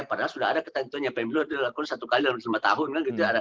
padahal sudah ada ketentuanya pemilu itu lakukan satu kali dalam lima tahun kan